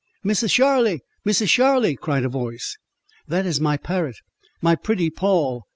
"Misser Sharly! Misser Sharly!" cried a voice. "That is my parrot—my pretty Poll!